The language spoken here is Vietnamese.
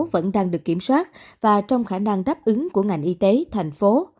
vẫn đang được kiểm soát và trong khả năng đáp ứng của ngành y tế thành phố